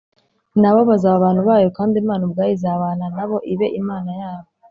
na bo bazaba abantu bayo kandi Imana ubwayo izabana na bo ibe Imana yabo.